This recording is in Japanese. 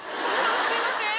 すいません。